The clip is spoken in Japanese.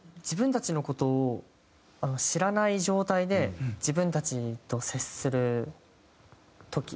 自分たちの事を知らない状態で自分たちと接する時？